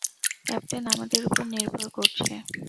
Captain আমাদের উপর নির্ভর করছে।